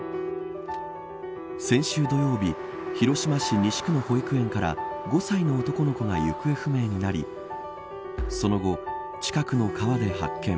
先週土曜日広島市西区の保育園から５歳の男の子が行方不明になりその後、近くの川で発見。